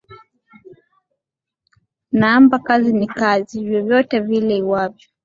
Naamba kazi ni kazi, vyovyote vile iwavyo